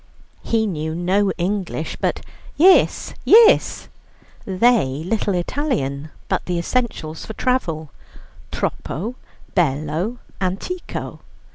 He knew no English but "Yis, Yis"; they little Italian but the essentials for travel: "Troppo, bello, antiquo."